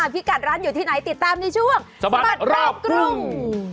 พี่กัดร้านอยู่ที่ไหนติดตามในช่วงสะบัดรอบกรุง